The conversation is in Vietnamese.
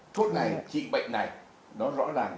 thuốc này trị bệnh này